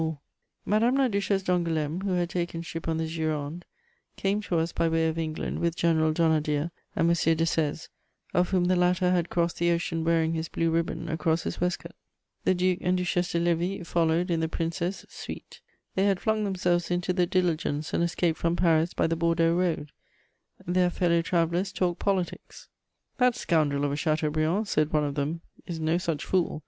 * [Sidenote: The Duchesse de Lévis.] Madame la Duchesse d'Angoulême, who had taken ship on the Gironde, came to us by way of England with General Donnadieu and M. Desèze, of whom the latter had crossed the ocean wearing his blue ribbon across his waistcoat. The Duc and Duchesse de Lévis followed in the Princess' suite: they had flung themselves into the diligence and escaped from Paris by the Bordeaux road. Their fellow travellers talked politics: "That scoundrel of a Chateaubriand," said one of them, "is no such fool!